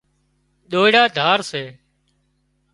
ڏورا ڌار سي